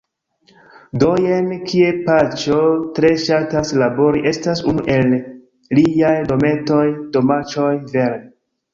Do, jen kie paĉjo tre ŝatas labori estas unu el liaj dometoj, domaĉoj vere